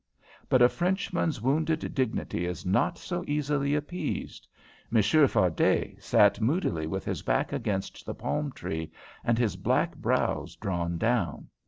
But a Frenchman's wounded dignity is not so easily appeased. Monsieur Fardet sat moodily with his back against the palm tree, and his black brows drawn down.